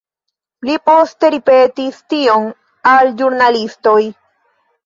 Li poste ripetis tion al ĵurnalistoj.